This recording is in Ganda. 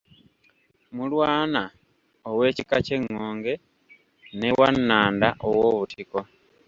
Mulwana ow'ekika ky'Engonge ne Wannanda ow'obutiko.